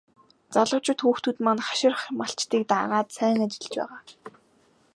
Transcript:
Залуучууд хүүхдүүд маань хашир малчдыг дагаад сайн ажиллаж байгаа.